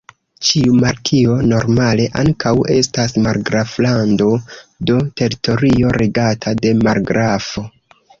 Ĉiu markio normale ankaŭ estas margraflando, do, teritorio regata de margrafo.